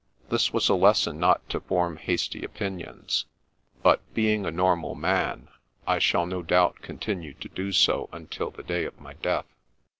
This was a lesson not to form hasty opinions; but being a normal man, I shall no doubt continue to do so until the day of my death.